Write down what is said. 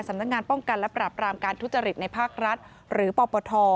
สำนักงานป้องกันและปรับรามการทุจริตในภาครัฐหรือปปท